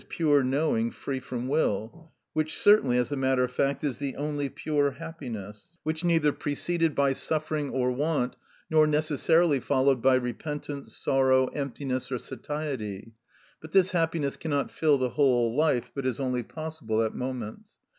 _, pure knowing free from will, which certainly, as a matter of fact, is the only pure happiness, which is neither preceded by suffering or want, nor necessarily followed by repentance, sorrow, emptiness, or satiety; but this happiness cannot fill the whole life, but is only possible at moments.